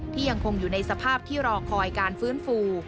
ยังคงอยู่ในสภาพที่รอคอยการฟื้นฟู